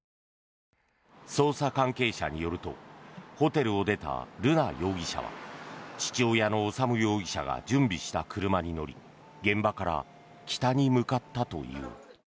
捜査関係者によるとホテルを出た瑠奈容疑者は父親の修容疑者が準備した車に乗り現場から北に向かったという。